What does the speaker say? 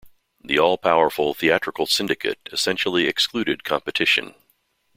The all-powerful Theatrical Syndicate essentially excluded competition.